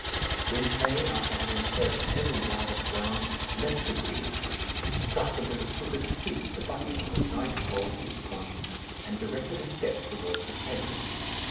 Gwynplaine, after having searched every yard of ground, left the green, struck into the crooked streets abutting on the site called East Point, and directed his steps towards the Thames.